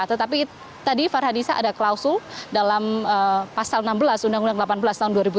tetapi tadi farhanisa ada klausul dalam pasal enam belas undang undang delapan belas tahun dua ribu tujuh belas